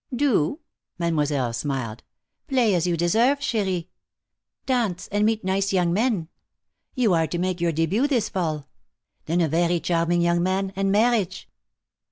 "Do?" Mademoiselle smiled. "Play, as you deserve, Cherie. Dance, and meet nice young men. You are to make your debut this fall. Then a very charming young man, and marriage."